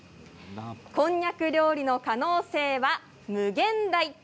こんにゃく料理の可能性は無限大。